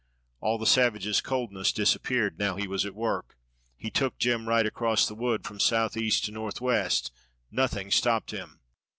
All the savage's coldness disappeared now he was at work. He took Jem right across the wood from southeast to northwest. Nothing stopped him.